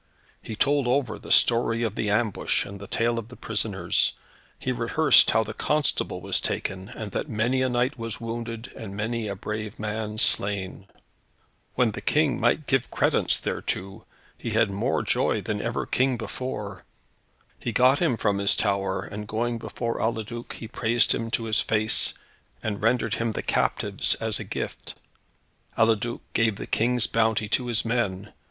He told over the story of the ambush, and the tale of the prisoners. He rehearsed how the constable was taken, and that many a knight was wounded, and many a brave man slain. When the King might give credence thereto, he had more joy than ever king before. He got him from his tower, and going before Eliduc, he praised him to his face, and rendered him the captives as a gift. Eliduc gave the King's bounty to his men.